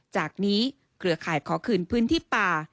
จากนี้เครือข่ายขอคืนพื้นที่ป่า